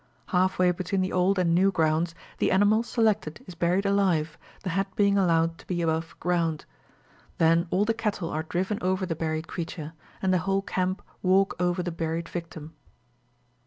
Half way between the old and new grounds, the animal selected is buried alive, the head being allowed to be above ground. Then all the cattle are driven over the buried creature, and the whole camp walk over the buried victim.